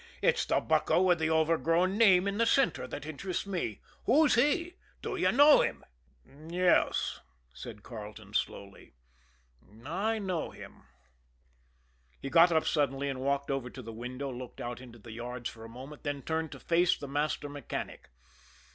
"It's the bucko with the overgrown name in the center that interests me who's he? Do you know him?" "Yes," said Carleton slowly. "I know him." He got up suddenly and walked over to the window, looked out into the yards for a moment, then turned to face the master mechanic.